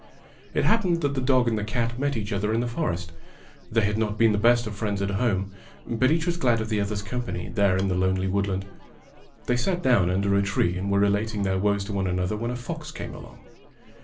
It happened that the dog and cat met each other in the forest. They had not been the best of friends at home, but each was glad of the other's company there in the lonely woodland. They sat down under a tree and were relating their woes to one another when a fox came along.